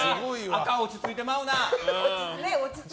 あかん、落ち着いてまうな。